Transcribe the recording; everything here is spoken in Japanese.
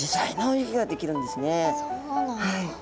そうなんだ。